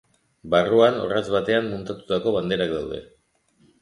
Barruan, orratz batean muntatutako banderak daude.